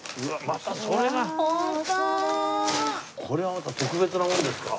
これはまた特別なものですか？